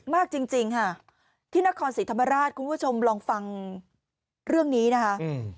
มากจริงจริงค่ะที่นครศรีธรรมราชคุณผู้ชมลองฟังเรื่องนี้นะคะอืม